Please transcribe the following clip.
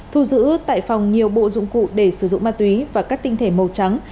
thu giữ tại phòng nhiều bộ dụng cụ để sử dụng ma túy và các tinh thể màu trắng